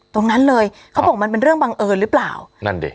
ตรงนั้นเลยเขาบอกมันเป็นเรื่องบังเอิญหรือเปล่านั่นดิ